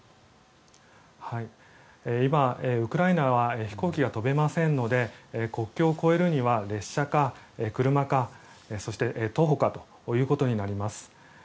今、ウクライナは飛行機が飛べませんので国境を越えるには、列車か車かそして徒歩かということになります。